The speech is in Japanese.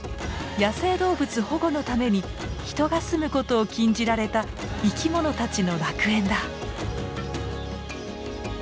野生動物保護のために人が住むことを禁じられた生き物たちの楽園だ。